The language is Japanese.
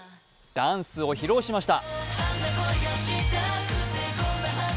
ダンスを披露しました。